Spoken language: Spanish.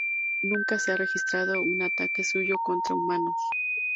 Nunca se ha registrado un ataque suyo contra humanos.